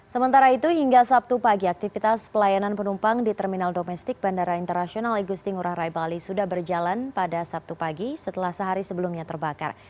sementara itu hingga sabtu pagi aktivitas pelayanan penumpang di terminal domestik bandara internasional igusti ngurah rai bali sudah berjalan pada sabtu pagi setelah sehari sebelumnya terbakar